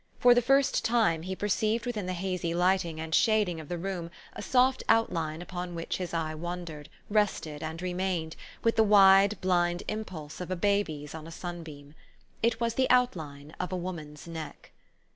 For the first time, he perceived within the hazy lighting and shading of the room a soft outline upon which his eye wandered, rested, and remained, with the wide, blind impulse of a baby's on a sunbeam. It was the outline of a woman's neck.